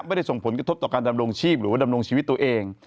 ไม่ได้ส่งผลกระทบต่อการดำรงชีพหรือว่าดำรงชีวิตตัวเอง